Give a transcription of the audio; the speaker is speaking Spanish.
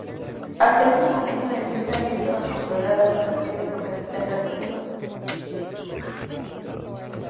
Hasta ese momento, la empresa había estado controlada totalmente por capital católico.